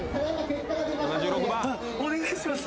ああお願いします